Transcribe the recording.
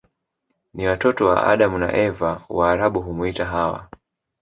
Ni watoto wa Adamu na Eva Waarabu humuita Hawa